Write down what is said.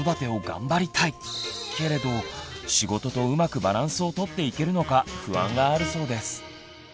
けれど仕事とうまくバランスを取っていけるのか不安があるそうです。